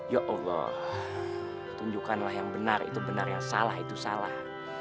ya allah tunjukkanlah yang benar itu benar yang salah itu salah